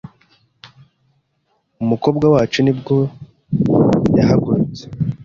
umukobwa wacu nibwo yahagurutse